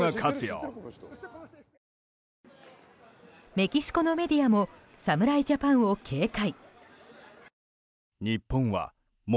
メキシコのメディアも侍ジャパンを警戒。